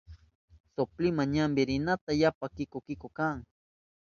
Soplinma ñampi rinaka yapa kinku kinku kan.